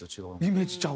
イメージちゃう。